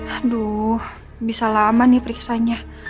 aduh bisa lama nih periksanya